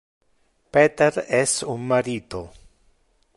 Peter es un marito.